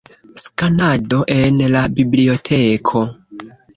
Skanado en la biblioteko.